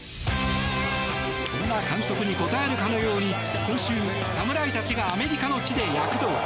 そんな監督に応えるかのように今週、侍たちがアメリカの地で躍動！